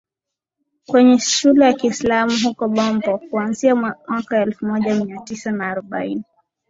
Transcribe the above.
kwenye shule ya Kiislamu huko Bombo kuanzia mwaka elfu moja Mia Tisa na arobaini